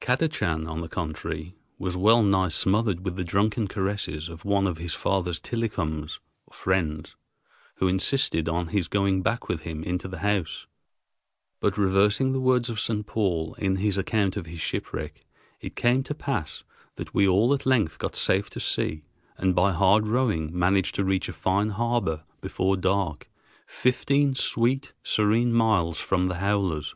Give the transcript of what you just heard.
Kadachan, on the contrary, was well nigh smothered with the drunken caresses of one of his father's tillicums (friends), who insisted on his going back with him into the house. But reversing the words of St. Paul in his account of his shipwreck, it came to pass that we all at length got safe to sea and by hard rowing managed to reach a fine harbor before dark, fifteen sweet, serene miles from the howlers.